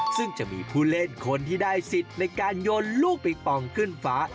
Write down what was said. ซึ่งจะมีผู้เล่นคนที่ได้สิทธิ์ในการโยนลูกปิงปองขึ้นฟ้า